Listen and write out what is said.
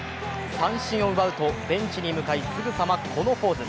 三振を奪うとベンチに向かいすぐさまこのポーズ。